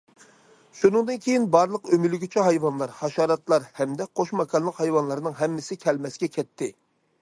شۇنىڭدىن كېيىن بارلىق ئۆمىلىگۈچى ھايۋانلار، ھاشاراتلار ھەمدە قوش ماكانلىق ھايۋانلارنىڭ ھەممىسى كەلمەسكە كەتتى.